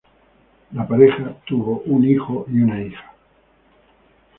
La pareja tuvo un hijo y una hija.